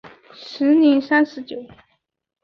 时年三十九。